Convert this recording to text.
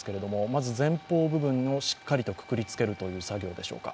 まず前方部分をしっかりと、くくりつけるという作業でしょうか。